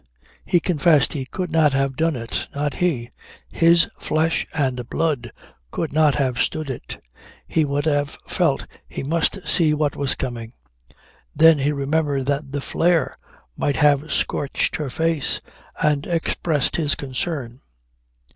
He confessed he could not have done it. Not he. His flesh and blood could not have stood it. He would have felt he must see what was coming. Then he remembered that the flare might have scorched her face, and expressed his concern.